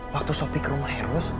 waktu sopi ke rumah eros